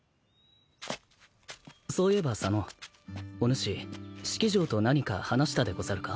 そういえば左之おぬし式尉と何か話したでござるか？